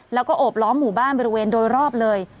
แล้วก็โอบล้อมหมู่บ้านบริเวณโดยรอบเลย